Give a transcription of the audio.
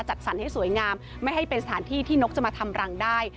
จัดสรรให้สวยงามไม่ให้เป็นสถานที่ที่นกจะมาทำรังได้